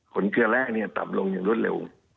เคลือแร่ต่ำลงอย่างรวดเร็ว